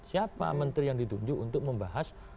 siapa menteri yang ditunjuk untuk membahas